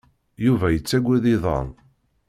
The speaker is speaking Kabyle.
Yuba yettagad iḍan.